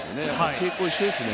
傾向一緒ですね。